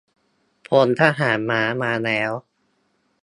พลทหารม้ามาแล้ว